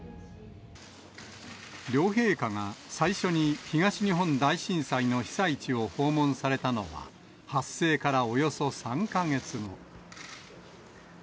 両陛下が、最初に東日本大震災の被災地を訪問されたのは、発生からおよそ３か月後。